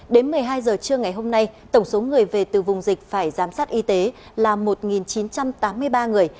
đến một mươi hai h trưa ngày hôm nay tổng số người về từ vùng dịch phải giám sát y tế là một chín trăm tám mươi ba người